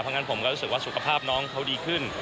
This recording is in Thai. เพราะงั้นผมก็รู้สึกว่าสุขภาพน้องเขาดีขึ้น